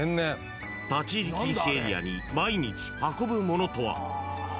立ち入り禁止エリアに毎日運ぶものとは。